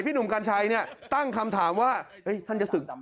พี่หนุ่มกัญชัยตั้งคำถามว่าท่านจะศึก